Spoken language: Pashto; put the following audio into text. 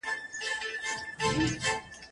له دوو غټو ښکلیو سترګو